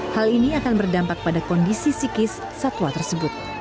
hal ini akan berdampak pada kondisi psikis satwa tersebut